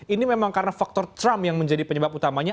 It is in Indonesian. ini memang karena faktor trump yang menjadi penyebab utamanya